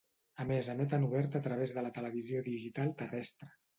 A més emet en obert a través de la Televisió Digital Terrestre.